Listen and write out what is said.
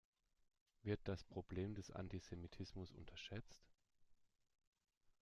Wird das Problem des Antisemitismus unterschätzt?